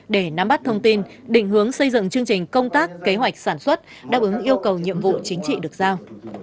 để nắm bắt thông tin định hướng xây dựng chương trình công tác kế hoạch sản xuất đáp ứng yêu cầu nhiệm vụ chính trị được giao